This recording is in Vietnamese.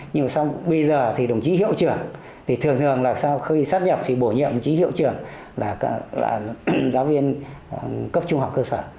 nhưng mà bây giờ thì đồng chí hiệu trưởng thì thường thường là sau khi sắp nhập thì bổ nhiệm chí hiệu trưởng là giáo viên cấp trung học cơ sở